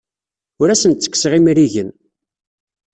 Ur asen-ttekkseɣ imrigen.